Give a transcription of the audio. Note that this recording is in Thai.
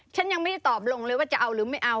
ฉันยังไม่ได้ตอบลงเลยว่าจะเอาหรือไม่เอา